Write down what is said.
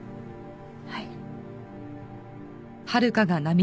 はい。